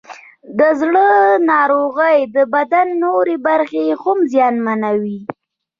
د زړه ناروغۍ د بدن نورې برخې هم زیانمنوي.